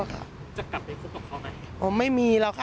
จะกลับไปคุกกับเขาไหมไม่มีแล้วค่ะ